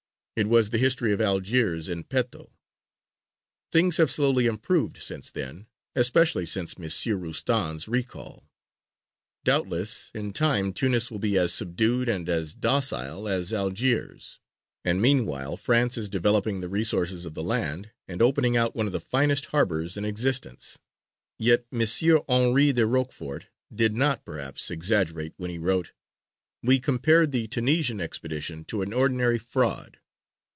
It was the history of Algiers in petto. Things have slowly improved since then, especially since M. Roustan's recall; doubtless in time Tunis will be as subdued and as docile as Algiers; and meanwhile France is developing the resources of the land, and opening out one of the finest harbours in existence. Yet M. Henri de Rochefort did not, perhaps, exaggerate when he wrote: "We compared the Tunisian expedition to an ordinary fraud.